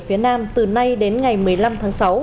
phía nam từ nay đến ngày một mươi năm tháng sáu